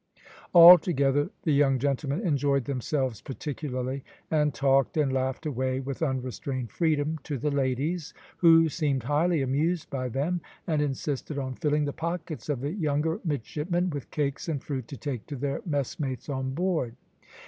Altogether the young gentlemen enjoyed themselves particularly, and talked and laughed away with unrestrained freedom to the ladies, who seemed highly amused by them, and insisted on filling the pockets of the younger midshipmen with cakes and fruit to take to their messmates on board.